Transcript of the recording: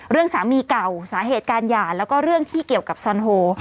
เรื่องสามีเก่าสาเหตุการหย่าแล้วก็เรื่องที่เกี่ยวกับซอนโฮ